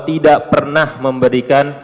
tidak pernah memberikan